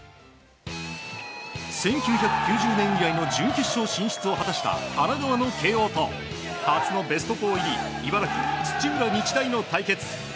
１９９０年以来の準決勝進出を果たした神奈川の慶應と初のベスト４入り茨城・土浦日大の対決。